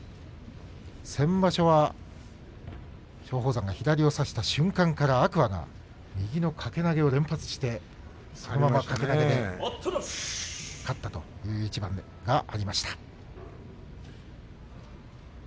先場所は松鳳山が左を差した瞬間から天空海が右の掛け投げを連発してそのまま掛け投げで勝ったという一番がありました。